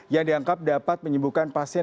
yang dianggap dapat menyembuhkan pasien